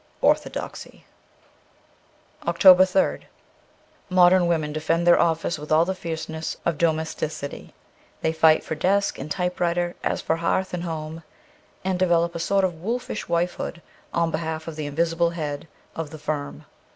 ' Orthodoxy.' 308 OCTOBER 3rd MODERN women defend their office with all the fierceness of domesticity. They fight for desk and typewriter as for hearth and home, and develop a sort of wolfish wifehood on behalf of the invisible head of the firm.